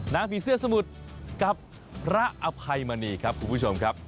ผีเสื้อสมุทรกับพระอภัยมณีครับคุณผู้ชมครับ